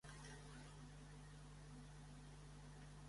Viurà coses que el mai hagués imaginat.